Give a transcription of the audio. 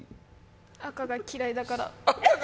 赤が嫌いだから。